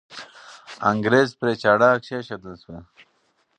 انګریز پرې چاړه کښېښودل سوه.